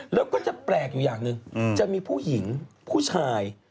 แล้วก็จะแปลกอยู่อย่างหนึ่งจะมีผู้หญิงผู้ชาย